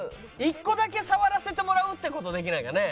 １個だけ触らせてもらうって事できないかね？